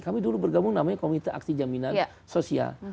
kami dulu bergabung namanya komite aksi jaminan sosial